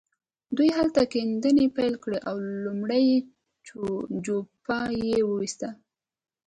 دوی هلته کيندنې پيل کړې او لومړۍ جوپه يې وويسته.